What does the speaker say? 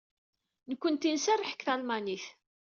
Nekkenti nserreḥ deg talmanit.